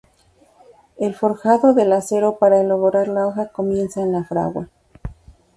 El forjado del acero para elaborar la hoja comienza en la fragua.